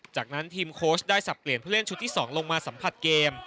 จากนั้นทีมโค้ชได้สับเปลี่ยนผู้เล่นชุดที่๒ลงมาสัมผัสเกม